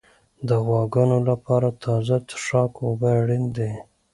د غواګانو لپاره تازه څښاک اوبه اړین دي.